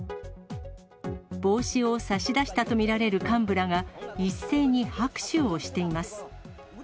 帽子を差し出したと見られる幹部らが、一斉に拍手をしています。